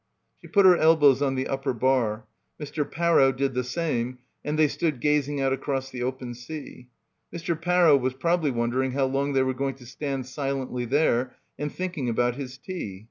She put her elbows on the upper bar. Mr. Parrow did the same and they stood gazing out across the open sea — Mr. Parrow was probably wondering how long they were going to stand silently there and thinking about his tea